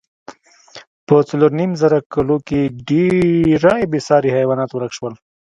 په څلورو نیم زره کلو کې ډېری بېساري حیوانات ورک شول.